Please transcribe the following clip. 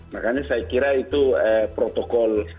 makanya saya kira itu protokol